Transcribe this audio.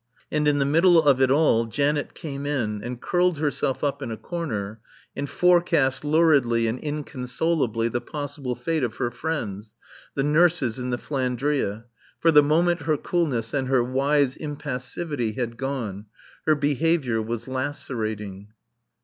And in the middle of it all Janet came in, and curled herself up in a corner, and forecast luridly and inconsolably the possible fate of her friends, the nurses in the "Flandria." For the moment her coolness and her wise impassivity had gone. Her behaviour was lacerating.